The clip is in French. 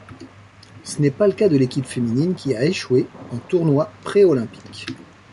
Ce n'est pas le cas de l'équipe féminine qui a échoué en tournoi préolympique.